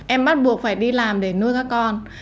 em bắt buộc phải đi làm để nuôi các con